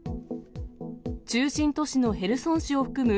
中心都市のヘルソン市を含む